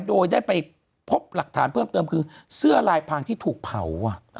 โดยได้ไปพบหลักฐานเพิ่มเติมคือเสื้อลายพังที่ถูกเผา